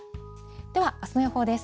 ではあすの予報です。